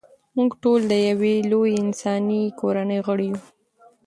موږ ټول د یوې لویې انساني کورنۍ غړي یو.